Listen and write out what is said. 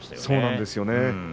そうなんですよね